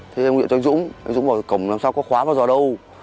thì em gọi cho anh dũng anh dũng gọi cổng làm sao có khóa bao giờ đâu